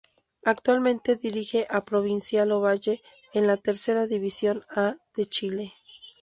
Actualmente dirige a Provincial Ovalle en la Tercera División A de Chile.